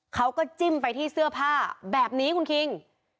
จิ้มไปที่เสื้อผ้าแบบนี้คุณคิง